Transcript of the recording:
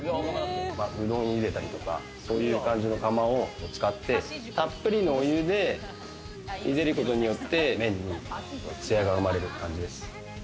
うどんを茹でたりとか、そういう感じの釜を使って、たっぷりのお湯で茹でることによって麺にツヤが生まれる感じです。